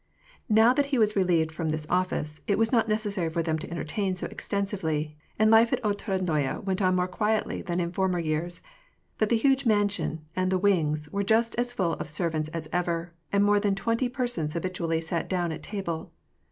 Now that he was relieved from this office, it was not necessary for them to entertain so exten sively, and life at Otradnoye went on more quietly than in former years ; but the huge mansion, and the wings, were just as full of servants as ever, and more than twenty persons habitually sat down at table.